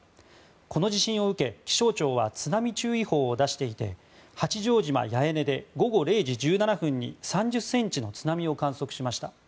この地震を受け、気象庁は津波注意報を出していて八丈島八重根で午後０時１８分に３０ｃｍの津波を観測しました。